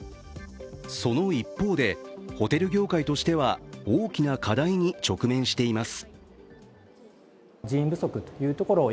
その一方で、ホテル業界としては、大きな課題に直面しています。